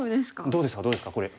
どうですかどうですかこれ。